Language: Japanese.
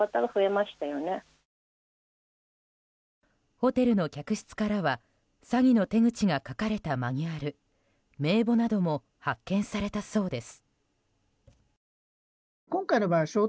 ホテルの客室からは詐欺の手口が書かれたマニュアル名簿なども発見されたそうです。